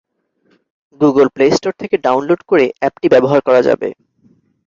Google Play Store থেকে download করে অ্যাপটি ব্যবহার করা যাবে।